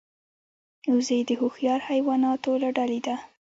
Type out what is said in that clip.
وزې د هوښیار حیواناتو له ډلې ده